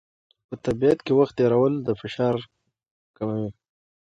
په طبیعت کې وخت تېرول د فشار کموي.